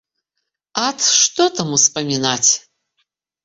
Ат, што там успамінаць!